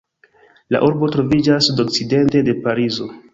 La urbo troviĝas sudokcidente de Parizo.